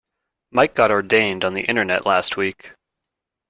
Mike got ordained on the internet last week.